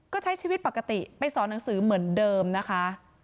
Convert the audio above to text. ก็ใช้ชีวิตปกติไปสอนหนังสือเหมือนเดิมนะคะ